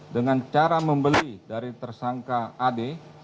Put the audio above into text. dengan cara membeli dari tersangka ad